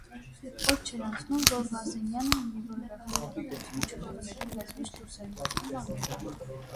Օր չէր անցնում, որ Բազենյանը մի որևէ խայտառակություն չգործեր, բայց միշտ դուրս էր պրծնում անվտանգ: